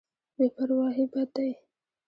بې پرواهي بد دی.